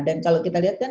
dan kalau kita lihat kan